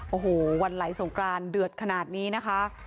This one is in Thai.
โอ้โหวันไหลสงกรานเดือดขนาดนี้นะคะ